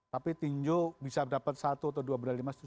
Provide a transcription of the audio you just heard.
tapi tuju bisa dapat satu atau dua berlima